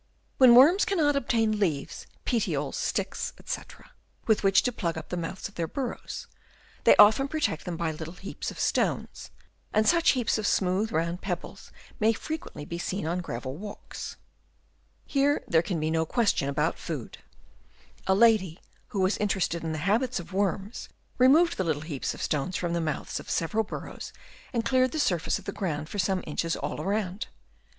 When worms cannot obtain leaves, petioles, sticks, &c, with which to plug up the mouths of their burrows, they often protect them by little heaps of stones; and such heaps of smooth rounded pebbles may frequently be seen on gravel walks. Here there can be no Chap. II. PEOTECTION OF THEIR BURROWS. 63 question about food. A lady, who was in terested in the habits of worms, removed the little heaps of stones from the mouths of several burrows and cleared the surface of the ground for some inches all round.